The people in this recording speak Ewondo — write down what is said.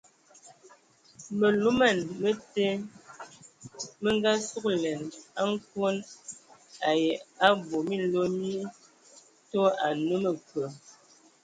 Məluməna mə te mə ngasugəlan a koɛn ai abɔ minlo mi tɔ anə məkwe.